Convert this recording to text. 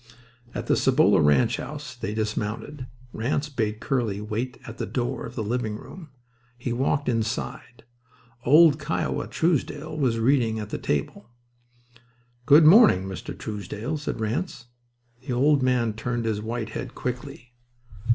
At the Cibolo ranch house they dismounted. Ranse bade Curly wait at the door of the living room. He walked inside. Old "Kiowa" Truesdell was reading at a table. "Good morning, Mr. Truesdell," said Ranse. The old man turned his white head quickly.